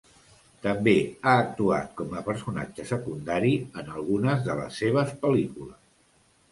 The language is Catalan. També ha actuat, com a personatge secundari, en algunes de les seves pel·lícules.